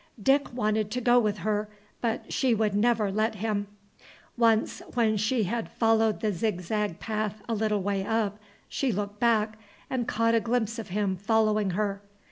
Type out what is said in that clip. Dick wanted to go with her, but she would never let him. Once, when she had followed the zigzag path a little way up, she looked back and caught a glimpse of him following her.